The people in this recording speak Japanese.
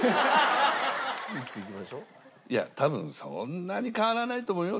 いや多分そんなに変わらないと思うよ